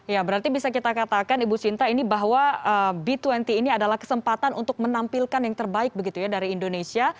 ya berarti bisa kita katakan ibu sinta ini bahwa b dua puluh ini adalah kesempatan untuk menampilkan yang terbaik begitu ya dari indonesia